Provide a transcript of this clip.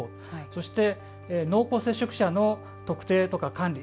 そして、濃厚接触者の特定とか管理